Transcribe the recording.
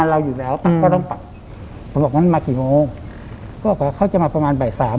เขาบอกว่าเขาจะมาประมาณบ่ายสาม